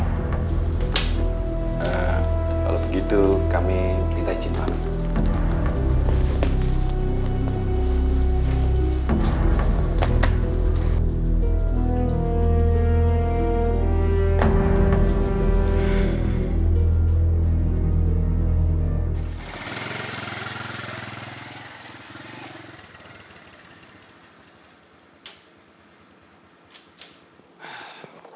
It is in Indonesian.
kalau begitu kami kita izin banget